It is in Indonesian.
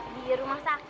di rumah sakit